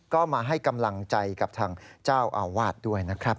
ก็มาให้กำลังใจกับทางเจ้าอาวาสด้วยนะครับ